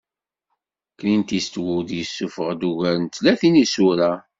Clint Eastwood yessufeɣ-d ugar n tlatin isura.